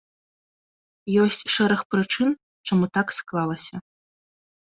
Ёсць шэраг прычын, чаму так склалася.